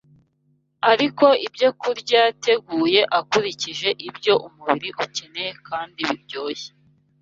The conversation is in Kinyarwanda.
Ariko ibyokurya yateguye akurikije ibyo umubiri ukeneye kandi biryoshye